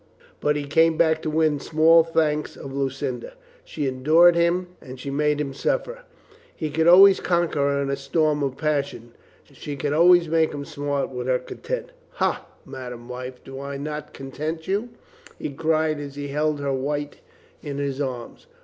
But he came back to win small thanks of Lu cinda. She endured him and she made him suffer. He could always conquer her in a storm of passion. She could always make him smart with her con 329 330 COLONEL GREATHEART tempt. "Ha, madame wife, do I not content you ?" he cried as he held her white in his arms.